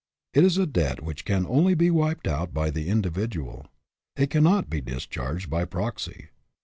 It is a debt which can only be wiped out by the individual. It cannot be discharged by proxy.